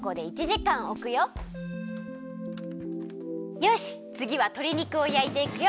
よしつぎはとり肉をやいていくよ。